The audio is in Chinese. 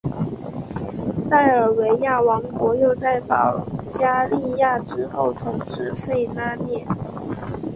塞尔维亚王国又在保加利亚之后统治弗拉涅。